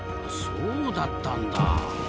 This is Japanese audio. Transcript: そうだったんだ。